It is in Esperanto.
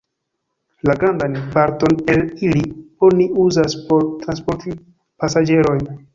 La grandan parton el ili oni uzas por transporti pasaĝerojn.